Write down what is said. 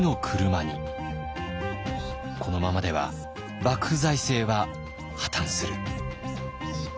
このままでは幕府財政は破綻する。